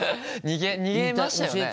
逃げましたよね？